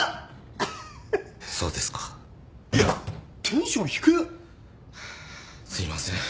ハァすいません。